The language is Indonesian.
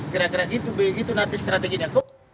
kira kira gitu begitu nanti strateginya